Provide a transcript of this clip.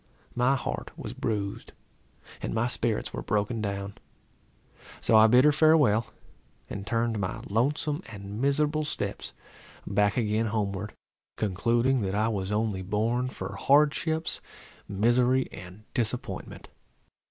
My heart was bruised, and my spirits were broken down; so I bid her farewell, and turned my lonesome and miserable steps back again homeward, concluding that I was only born for hardships, misery, and disappointment.